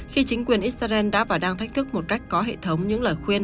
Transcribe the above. khi chính quyền israel đã và đang thách thức một cách có hệ thống những lời khuyên